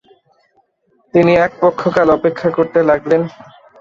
তিনি এক পক্ষকাল অপেক্ষা করতে লাগলেন।